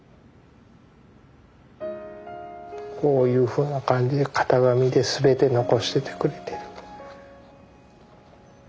こういうふうな感じで型紙で全て残しててくれて。